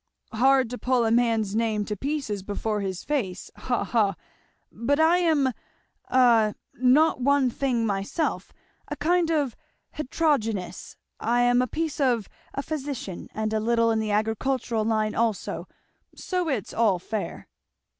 "Hard to pull a man's name to pieces before his face, ha, ha! but I am a not one thing myself, a kind of heterogynous I am a piece of a physician and a little in the agricultural line also; so it's all fair."